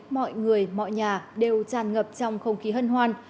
mọi người mọi nhà đều tràn ngập trong không khí hân hoan